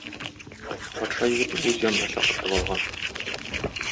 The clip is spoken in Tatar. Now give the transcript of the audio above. Патша егетне үз янына чакыртып алган.